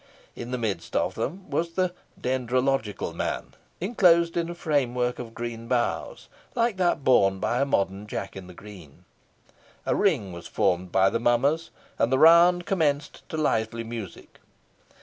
In the midst of them was the "dendrological man," enclosed in a framework of green boughs, like that borne by a modern Jack in the green. A ring was formed by the mummers, and the round commenced to lively music.